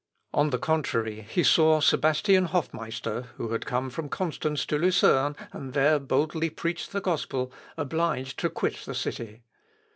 On the contrary he saw Sebastian Hofmeister, who had come from Constance to Lucerne, and there boldly preached the gospel, obliged to quit the city.